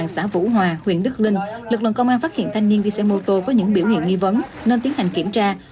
xã vũ hòa huyện đức linh lực lượng công an phát hiện thanh niên đi xe mô tô có những biểu hiện nghi vấn nên tiến hành kiểm tra